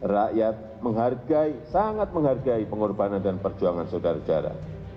rakyat menghargai sangat menghargai pengorbanan dan perjuangan saudara saudara